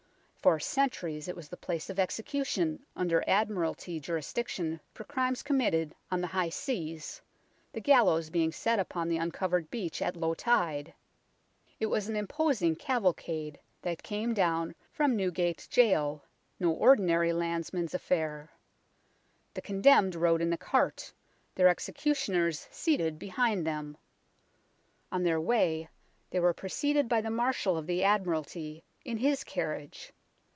For centuries it was the place of execution under Admiralty jurisdiction for crimes committed on the high seas, the gallows being set upon the uncovered beach at low tide. It was an imposing cavalcade that came down from Newgate Gaol, no ordinary landsman's affair. The condemned rode in a cart, the executioners seated behind them. On their way they were preceded by the Marshal of the Admiralty in his carriage.